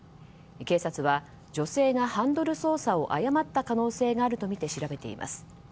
警察は女性がハンドル操作を誤った可能性があるとみて調べています。